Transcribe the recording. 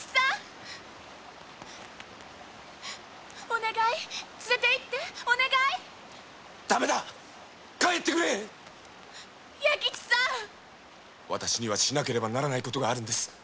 お願い連れて行ってお願い駄目だ帰ってくれ弥吉さんしなければならない事がある。